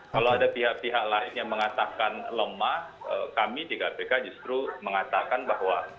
kalau ada pihak pihak lain yang mengatakan lemah kami di kpk justru mengatakan bahwa